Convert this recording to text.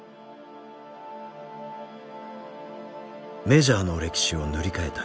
メジャーの歴史を塗り替えた